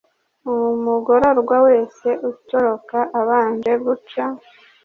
umugororwa wese utoroka abanje guca